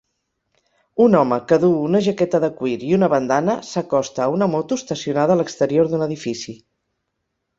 Un home que duu una jaqueta de cuir i una bandana s'acosta a una moto estacionada a l'exterior d'un edifici.